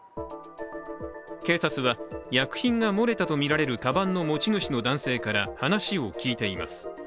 警察は薬品が漏れたとみられる、かばんの持ち主の男性から話を聞いています。